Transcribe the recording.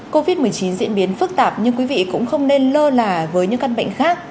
covid một mươi chín diễn biến phức tạp nhưng quý vị cũng không nên lơ là với những căn bệnh khác